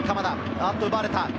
おっと、奪われた。